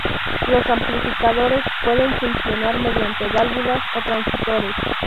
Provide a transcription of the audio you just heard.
Los amplificadores pueden funcionar mediante válvulas o transistores.